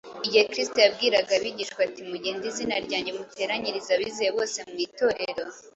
Igihe Kristo yabwiraga abigishwa ati “mugende mu izina ryanjye muteranyirize abizeye bose mu Itorero,